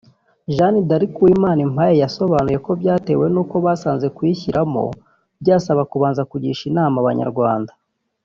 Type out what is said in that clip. Jeanne d’ Arc Uwimanimpaye yasobanuye ko byatewe n’uko basanze kuyishyiramo byasaba kubanza kugisha Inama Abanyarwanda